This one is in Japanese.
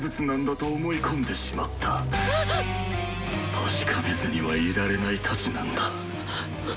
確かめずにはいられないたちなんだ。